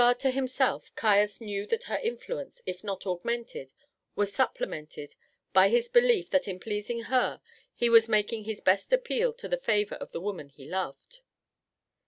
With regard to himself, Caius knew that her influence, if not augmented, was supplemented, by his belief that in pleasing her he was making his best appeal to the favour of the woman he loved.